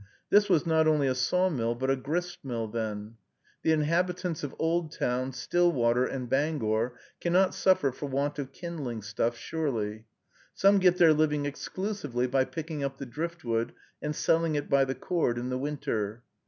This was not only a sawmill, but a gristmill, then. The inhabitants of Oldtown, Stillwater, and Bangor cannot suffer for want of kindling stuff, surely. Some get their living exclusively by picking up the driftwood and selling it by the cord in the winter.